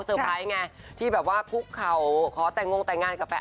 ไพรส์ไงที่แบบว่าคุกเข่าขอแต่งงแต่งงานกับแฟน